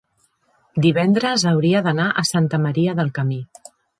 Divendres hauria d'anar a Santa Maria del Camí.